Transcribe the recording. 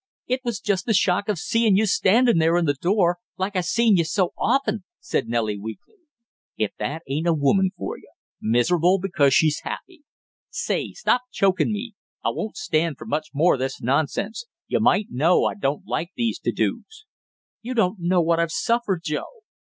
"It was just the shock of seein' you standin' there in the door like I seen you so often!" said Nellie weakly. "If that ain't a woman for you, miserable because she's happy. Say, stop chokin' me; I won't stand for much more of this nonsense, you might know I don't like these to dos!" "You don't know what I've suffered, Joe!"